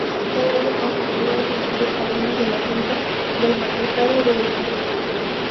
Todo ello constituía los antiguos jardines de la finca del Marquesado de Urquijo.